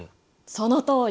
そのとおり。